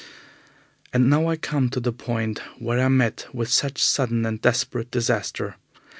And now I come to the point where I met with such sudden and desperate disaster.